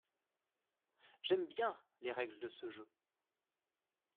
J’aime bien les règles de ce jeu.